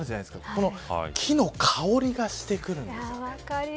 この木の香りがしてくるんです。